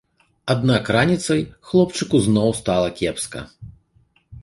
Аднак раніцай хлопчыку зноў стала кепска.